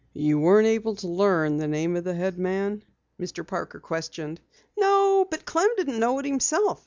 "You weren't able to learn the name of the head man?" Mr. Parker questioned. "No, Clem didn't know it himself.